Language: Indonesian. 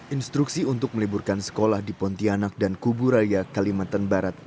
instruksi untuk meliburkan sekolah di pontianak dan kuburaya kalimantan barat